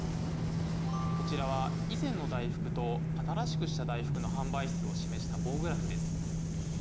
こちらは以前の大福と新しくした大福の販売数を示した棒グラフです。